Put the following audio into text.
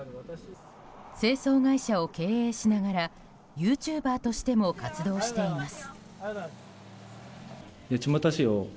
清掃会社を経営しながらユーチューバーとしても活動しています。